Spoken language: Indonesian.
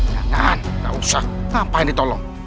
jangan gak usah ngapain ditolong